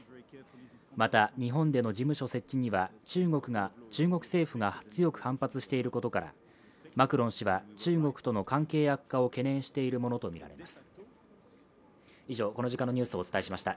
また日本での事務所設置には中国政府が強く反発していることからマクロン氏は中国との関係悪化を懸念しているものとみられます。